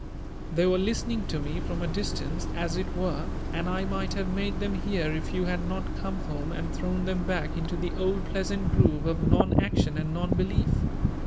"They were listening to me from a distance, as it were and I might have made them hear if you had not come home and thrown them back into the old pleasant groove of non action and non belief.